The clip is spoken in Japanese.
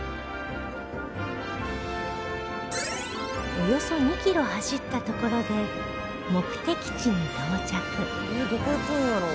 およそ２キロ走ったところで目的地に到着えどこ行くんやろう？